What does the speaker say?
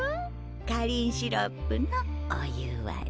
かりんシロップのお湯割り。